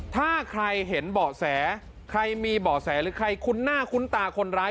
ถ้าใครเห็นเบาะแสใครมีเบาะแสหรือใครคุ้นหน้าคุ้นตาคนร้าย